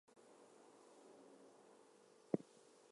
Mary liked him for his fidelity and secrecy.